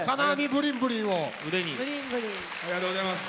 ありがとうございます。